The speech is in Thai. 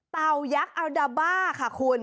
ตายักษ์อัลดาบ้าค่ะคุณ